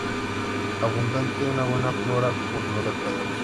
Abunda una buena flora por los alrededores.